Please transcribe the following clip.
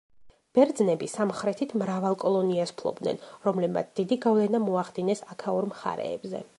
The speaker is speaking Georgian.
ბერძნები სამხრეთით მრავალ კოლონიას ფლობდნენ, რომლებმაც დიდი გავლენა მოახდინეს აქაურ მხარეებზე.